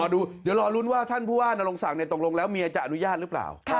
เดี๋ยวรอลุ้นว่าท่านผู้ว่านรงศักดิ์ตกลงแล้วเมียจะอนุญาตหรือเปล่า